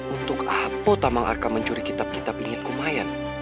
untuk apa tamang arkam mencuri kitab kitab inekumayang